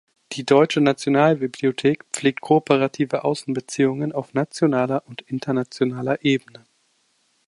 Die Deutsche Nationalbibliothek pflegt kooperative Außenbeziehungen auf nationaler und internationaler Ebene.